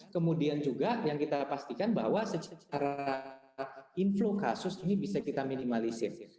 kemudian juga yang kita pastikan bahwa secara inflow kasus ini bisa kita minimalisir